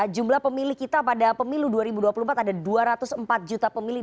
jumlah pemilih kita pada pemilu dua ribu dua puluh empat ada dua ratus empat juta pemilih